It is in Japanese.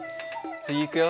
次いくよ。